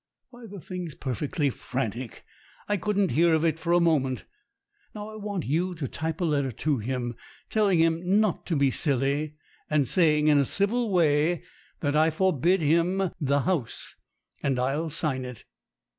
Why, the thing's perfectly frantic. I couldn't hear of it for a moment. Now I want you to type a letter to him, telling him not to be silly, and saying in a civil way that I forbid him the house; and I'll sign it."